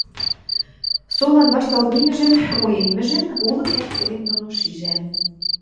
солан вашталт мимӹжӹм, уэммӹжӹм улы кӓп-кӹлем доно шижӓм.